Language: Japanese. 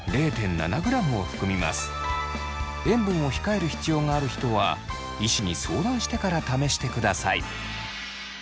塩分を控える必要がある人は医師に相談してから試してください。